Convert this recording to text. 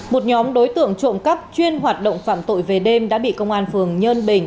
một nhóm đối tượng trộm cắp chuyên hoạt động phạm tội về đêm đã bị công an phường nhân bình